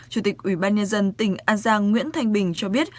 chủ tịch ubnd tỉnh an giang nguyễn thanh bình cho biết